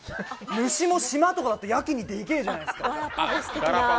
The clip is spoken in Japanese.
虫も島とかだと、やけにでけぇじゃないですか。